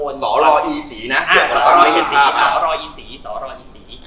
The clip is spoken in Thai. สรอยีสีนะเกี่ยวกับฟังมือครับอ่าสรอยีสีสรอยีสี